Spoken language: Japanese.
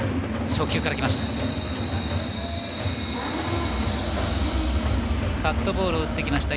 初球からきました。